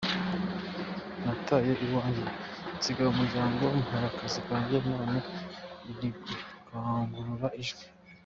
"Nataye iwanjye, nsiga umuryango, mpara akazi kanjye, none ndikurangurura ijwi.